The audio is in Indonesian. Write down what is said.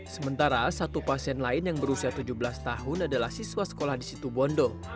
sementara satu pasien lain yang berusia tujuh belas tahun adalah siswa sekolah di situ bondo